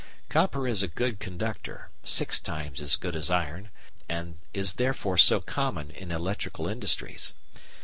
Copper is a good conductor six times as good as iron and is therefore so common in electrical industries.